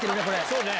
そうね